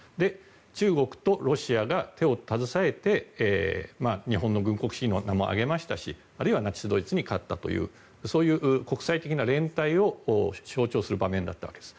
中国とロシアが手を携えて日本の軍国主義の名も挙げましたしあるいはナチス・ドイツに勝ったというそういう国際的な連帯を象徴する場面だったわけです。